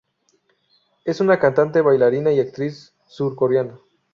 Es una cantante, bailarina y actriz surcoreana.